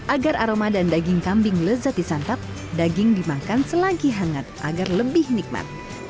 agar aroma dan daging kambing lezat disantap daging dimakan selagi hangat agar lebih nikmat